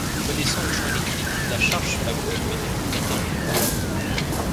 Connaissant le champ électrique, la charge sur la goutte peut être déterminée.